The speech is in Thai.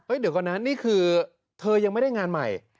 เดี๋ยวก่อนนะนี่คือเธอยังไม่ได้งานใหม่